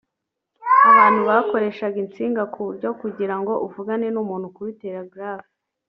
abantu bakoreshaga insinga ku buryo kugira ngo uvugane n’umuntu kuru telegraph